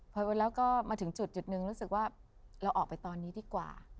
พอแล้วก็มาถึงจุดหนึ่งรู้สึกว่าเราออกไปตอนนี้ดีกว่า